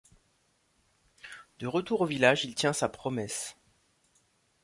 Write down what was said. De retour au village, il tient sa promesse.